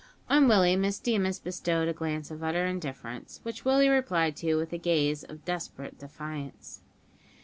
On Willie, Miss Deemas bestowed a glance of utter indifference, which Willie replied to with a gaze of desperate defiance.